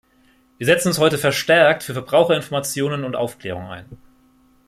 Wir setzen uns heute verstärkt für Verbraucherinformationen und Aufklärung ein.